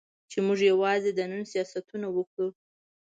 چې موږ یوازې د نن سیاستونه وکړو.